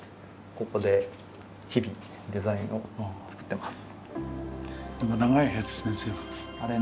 ここで日々デザインを作ってます。